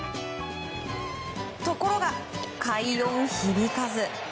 ところが、快音響かず。